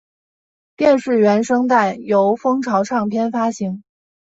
电视原声带由风潮唱片发行。